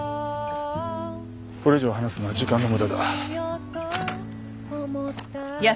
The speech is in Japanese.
これ以上話すのは時間の無駄だ。